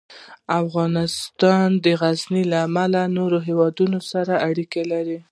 افغانستان د غزني له امله له نورو هېوادونو سره اړیکې لري.